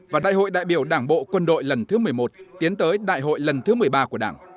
và đại hội đại biểu đảng bộ quân đội lần thứ một mươi một tiến tới đại hội lần thứ một mươi ba của đảng